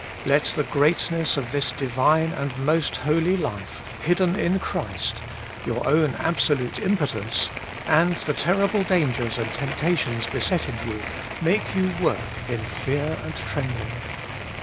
Let the greatness of J this Divine and most holy life, hidden in Christ, your own absolute impotence, and 56 Working for God 57 the terrible dangers and temptations be setting you, make you work in fear and trembling.